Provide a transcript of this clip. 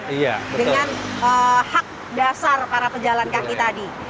dengan hak dasar para pejalan kaki tadi